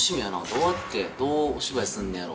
どうやってどうお芝居すんねんやろ？